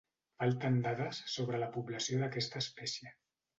Falten dades sobre la població d'aquesta espècie.